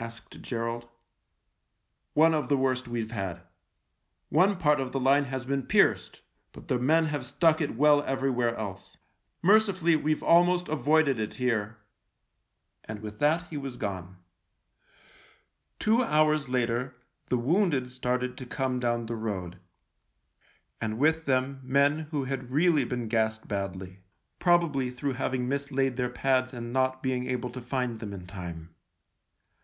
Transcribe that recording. " asked Gerald. " One of the worst we've had. One part of the line has been pierced, but the men have stuck it well everywhere else. Merci fully we've almost avoided it here." And with that he was gone. Two hours later the wounded started to come down the road, and with them men who had really been gassed badly — probably through having mislaid their pads and not being able to find them in time.